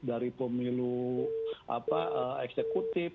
dari pemilu eksekutif